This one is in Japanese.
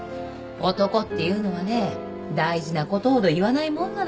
男っていうのはね大事なことほど言わないもんなのよ。